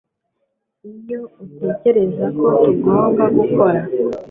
Nibyo utekereza ko tugomba gukora